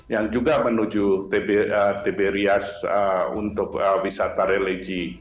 yang juga menuju tiberias untuk wisata religi